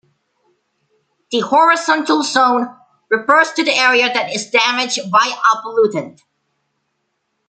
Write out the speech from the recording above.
The horizontal zone refers to the area that is damaged by a pollutant.